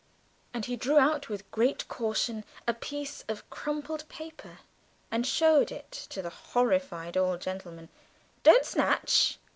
And he drew out with great caution a piece of crumpled paper and showed it to the horrified old gentleman. "Don't snatch